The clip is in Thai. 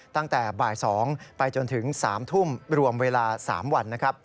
ตั้งแต่บ่าย๒ไปจนถึง๓ทุ่มรวมเวลา๓วันนะครับ